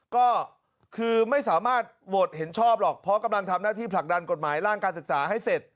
ก็คือไม่สามารถโหวตเห็นชอบหรอกเพราะกำลังทำหน้าที่ผลักดันกฎหมายร่างการศึกษาให้เสร็จ